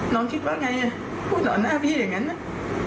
น้องคิดว่าไงพูดต่อหน้าพี่อย่างนั้นนะ